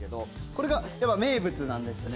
これが名物なんですね。